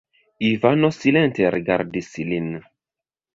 Ivano silente rigardis lin.